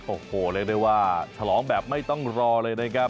โอ้โหเรียกได้ว่าฉลองแบบไม่ต้องรอเลยนะครับ